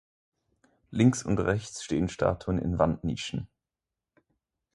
Links und rechts stehen Statuen in Wandnischen.